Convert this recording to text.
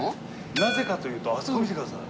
なぜかというとあそこ見てください。